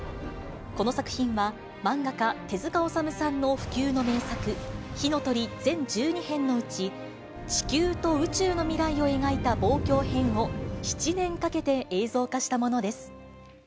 この作品は、漫画家、手塚治虫さんの不朽の名作、火の鳥全１２編のうち、地球と宇宙の未来を描いた望郷編を、７年かけて映像化したものです。